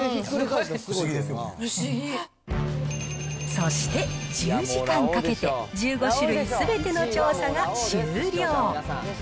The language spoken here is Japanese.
そして、１０時間かけて１５種類すべての調査が終了。